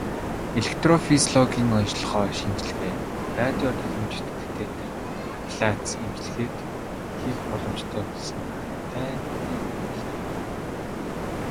Электрофизиологийн оношилгоо, шинжилгээ, радио давтамжит катетр аблаци эмчилгээг хийх боломжтой болсон таатай мэдээг дуулгая.